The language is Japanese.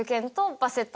バセット。